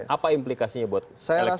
apa implikasinya buat elektabilitas